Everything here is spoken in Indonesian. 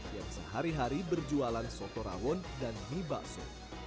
yang sehari hari berjualan soto rawon dan mie bakso